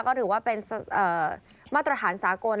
ก็ถือว่าเป็นมาตรฐานสากล